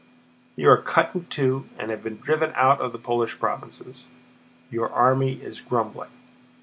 You are cut in two and have been driven out of the Polish provinces. Your army is grumbling."